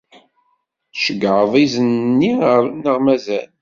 Tceggεeḍ izen-nni neɣ mazal?